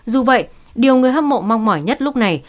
dù vậy điều người hâm mộ mong mỏi nhất lúc này